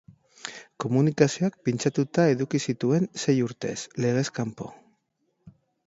Komunikazioak pintxatuta eduki zituen sei urtez, legez kanpo.